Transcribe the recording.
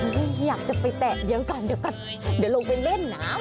อยากจะไปแตะเยอะก่อนเดี๋ยวก่อนเดี๋ยวลงไปเล่นน้ำ